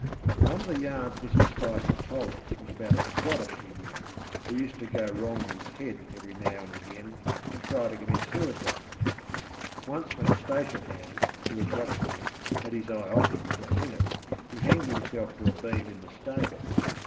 One of the yarns Mrs Spicer told us was about a squatter she knew who used to go wrong in his head every now and again, and try to commit suicide. Once, when the station hand, who was watching him, had his eye off him for a minute, he hanged himself to a beam in the stable.